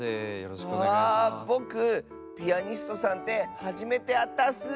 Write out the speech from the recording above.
ぼくピアニストさんってはじめてあったッス。